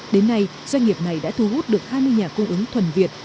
đến nay doanh nghiệp này đã thu hút được hai mươi nhà cung ứng thuần việt